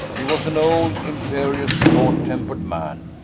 He was an old, imperious, short tempered man.